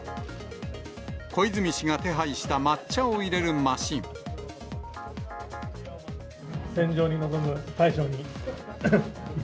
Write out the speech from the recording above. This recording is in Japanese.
小泉氏が手配した、戦場に臨む大将に一服。